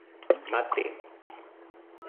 Amati